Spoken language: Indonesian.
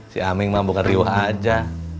si aming mah bukan riwah aja